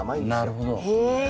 なるほど。